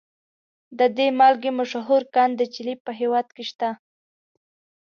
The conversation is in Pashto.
د دې مالګې مشهور کان د چیلي په هیواد کې شته.